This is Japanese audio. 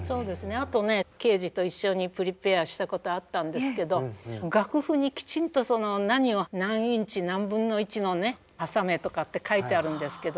あとねケージと一緒にプリペアしたことあったんですけど楽譜にきちんとその何を何インチ何分の１のね挟めとかって書いてあるんですけど